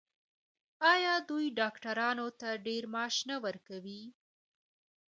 آیا دوی ډاکټرانو ته ډیر معاش نه ورکوي؟